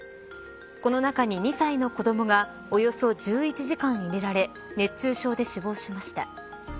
この中に２歳の子どもがおよそ１１時間入れられ熱中症で死亡しました。